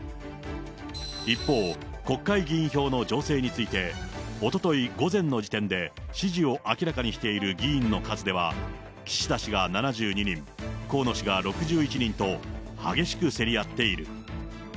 一方、国会議員票の情勢について、おととい午前の時点で支持を明らかにしている議員の数では、岸田氏が７２人、河野氏が６１人と、激しく競り合っている。